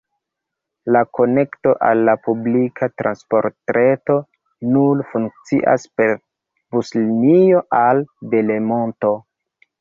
La konekto al la publika transportreto nun funkcias per buslinioj al Delemonto.